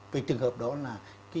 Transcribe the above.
vì trường hợp đó là